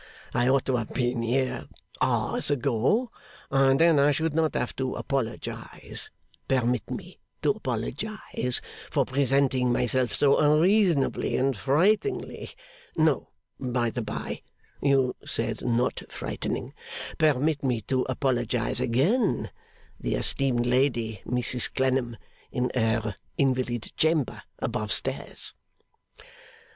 I ought to have been here hours ago, and then I should not have to apologise permit me to apologise for presenting myself so unreasonably, and frightening no, by the bye, you said not frightening; permit me to apologise again the esteemed lady, Mrs Clennam, in her invalid chamber above stairs.